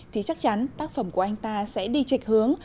thì chắc chắn tác phẩm của anh ta sẽ đi trịch hướng